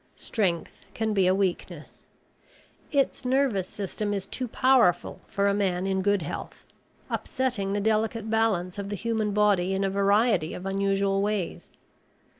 Strength can be a weakness. Its nervous system is too powerful for a man in good health, upsetting the delicate balance of the human body in a variety of unusual ways.